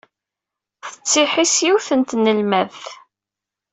Tettihi s yiwet n tnelmadt.